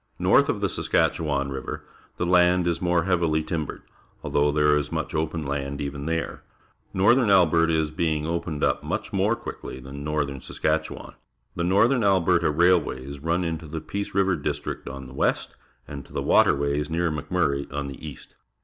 North of the Saskatchewan RiA'er, the land is more hea^'ih^ timbered, although there is much open land even there. Northern .Vlberta is being opened up much more quickly than northern Saskatchewan. The Xorthern Alberta Railicatjs run into the Peace River District on the west, and to Watcnmys, near Mc^Murray, on the east.